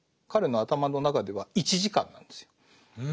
彼の頭の中では１時間なんですよ。